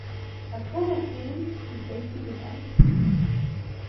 هل كان كين في البيت بالأمس؟